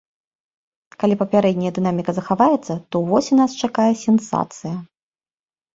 Калі папярэдняя дынаміка захаваецца, то ўвосень нас чакае сенсацыя.